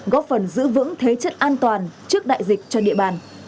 góp phần giữ vững thế trận an toàn trước đại dịch cho địa bàn